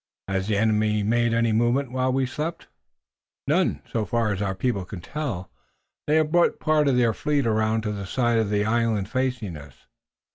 Has the enemy made any movement while we slept?" "None, so far as our people can tell. They have brought part of their fleet around to the side of the island facing us.